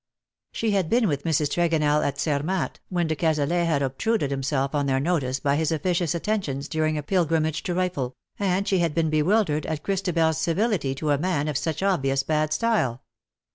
She had been with Mrs. Tregonell at Zermatt, when de Cazalet had obtruded himself on their notice by his officious attentions during a pilgrimage to the RifFel, and she had been bewildered at Christabers civility to a man of such obvious bad style.